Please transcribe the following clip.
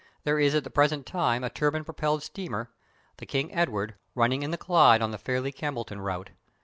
There is at the present time a turbine propelled steamer, the King Edward, running in the Clyde on the Fairlie Campbelltown route.